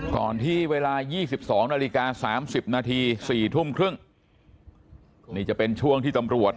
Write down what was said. ก่อนที่เวลา๒๒นาฬิกา๓๐นาที๔ทุ่มครึ่งนี่จะเป็นช่วงที่ตำรวจ